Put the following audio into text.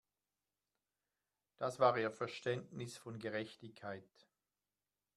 Das war ihr Verständnis von Gerechtigkeit.